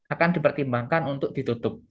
akan dipertimbangkan untuk ditutup